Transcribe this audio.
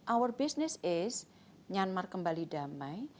our business is myanmar kembali damai